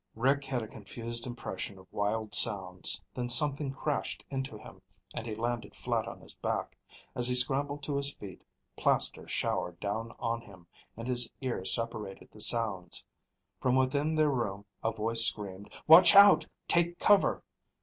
Rick had a confused impression of wild sounds, then something crashed into him and he landed flat on his back. As he scrambled to his feet, plaster showered down on him, and his ear separated the sounds. From within their room, a voice screamed, "Watch out! Take cover!"